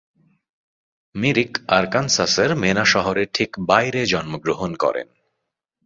মিরিক আরকানসাসের মেনা শহরের ঠিক বাইরে জন্মগ্রহণ করেন।